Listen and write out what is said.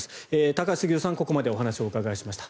高橋杉雄さんにここまでお話をお伺いしました。